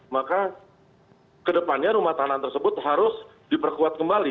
maka kedepannya rumah tahanan tersebut harus diperkuat kembali